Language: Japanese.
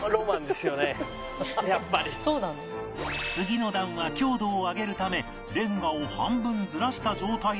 次の段は強度を上げるためレンガを半分ずらした状態で置くので